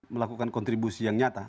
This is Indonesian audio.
melakukan kontribusi yang nyata